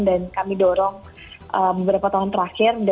dan kami dorong beberapa tahun terakhir